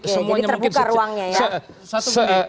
oke jadi terbuka ruangnya ya